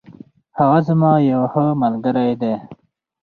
هغه زما یو ښه ملگری دی.